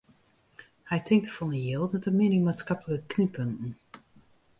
Hy tinkt te folle yn jild en te min yn maatskiplike knyppunten.